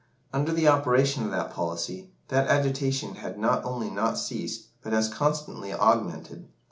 Under the operation of that policy, that agitation had not only not ceased, but has constantly augmented.